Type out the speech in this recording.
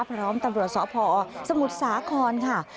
พร้อมตำรวจสพอสมุทรสาครค่ะ